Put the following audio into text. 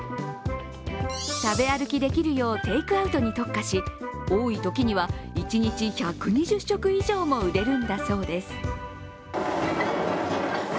食べ歩きできるようテイクアウトに特化し多いときには一日１２０食以上も売れるんだそうです。